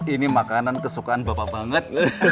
ini makanan kesukaan bapak banget